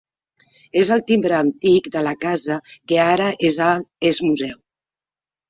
És el timbre antic de la casa que ara és museu.